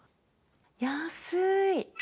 安い。